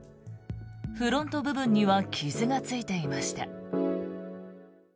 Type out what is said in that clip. フロント部分には傷がついていました。